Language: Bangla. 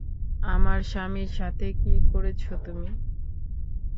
আমার স্বামীর সাথে কী করেছ তুমি?